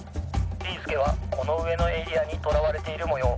「ビーすけはこのうえのエリアにとらわれているもよう。